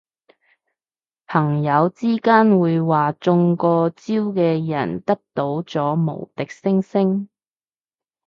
朋友之間會話中過招嘅人得到咗無敵星星